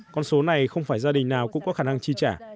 con số này không phải gia đình nào cũng có khả năng chi trả